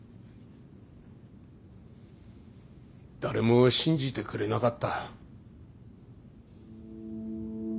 誰も信じてくれなかった。